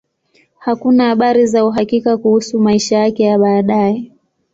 Hakuna habari za uhakika kuhusu maisha yake ya baadaye.